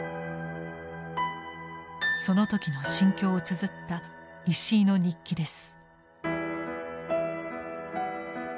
その時の心境をつづった石射の日記です。